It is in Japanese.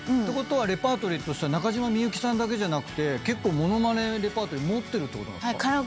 てことはレパートリーとしては中島みゆきさんだけじゃなくて結構ものまねレパートリー持ってるってことなんすか？